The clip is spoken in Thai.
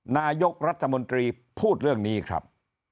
นายกรัฐมนตรีพูดเรื่องนี้ครับ